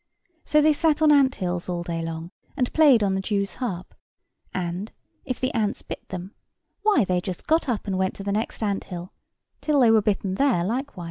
So they sat on ant hills all day long, and played on the Jews' harp; and, if the ants bit them, why they just got up and went to the next ant hill, till they were bitten there likewise.